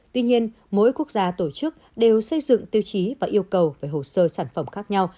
tuy nhiên mỗi quốc gia tổ chức đều xây dựng tiêu chí và yêu cầu về hồ sơ sản phẩm khác nhau